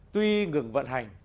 tuy ngừng vận hành